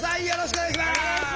お願いします。